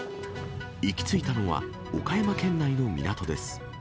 行き着いたのは岡山県内の港です。